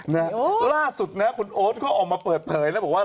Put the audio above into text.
ล่าสุดนะคุณโอ๊ตเขาออกมาเปิดเผยแล้วบอกว่า